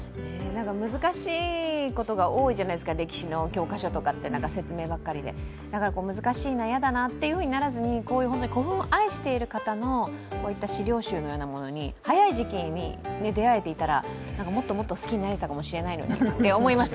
難しいことが多いじゃないですか、歴史の教科書とかって説明ばかりで難しいの嫌だなとならずに、古墳を愛している方のこういった資料集なようなものに早い時期に出会えていたらもっともっと好きになれたかもしれないのにと。